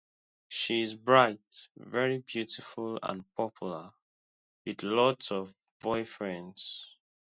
She is bright, very beautiful and popular, with lots of boyfriends.